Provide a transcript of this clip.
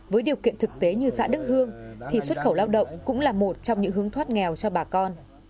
với điều kiện thực tế như xã đức hương thì xuất khẩu lao động cũng là một trong những hướng thoát nghèo cho bà con